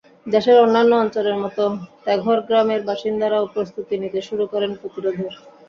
দেশের অন্যান্য অঞ্চলের মতো তেঘর গ্রামের বাসিন্দারাও প্রস্তুতি নিতে শুরু করেন প্রতিরোধের।